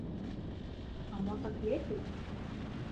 А мо так лепей?